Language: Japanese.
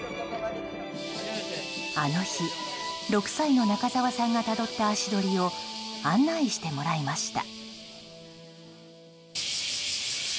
あの日、６歳の中沢さんがたどった足取りを案内してもらいました。